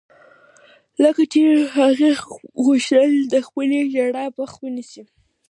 لکه چې هغې غوښتل د خپلې ژړا مخه ونيسي.